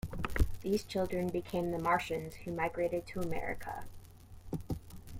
These children became the Martians who migrated to America.